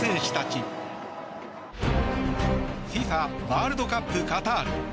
ＦＩＦＡワールドカップカタール。